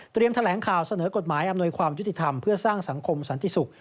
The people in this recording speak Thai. แถลงข่าวเสนอกฎหมายอำนวยความยุติธรรมเพื่อสร้างสังคมสันติสุข